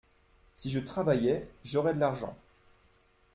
Si je travaillais, j’aurais de l’argent.